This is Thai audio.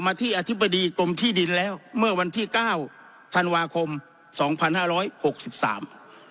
ที่อธิบดีกรมที่ดินแล้วเมื่อวันที่เก้าธันวาคมสองพันห้าร้อยหกสิบสาม